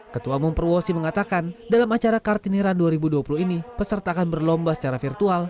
ketua mumprowosi mengatakan dalam acara kartini run dua ribu dua puluh ini peserta akan berlomba secara virtual